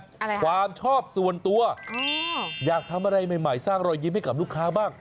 อะไรความชอบส่วนตัวอ๋ออยากทำอะไรใหม่ใหม่สร้างรอยยิ้มให้กับลูกค้าบ้าง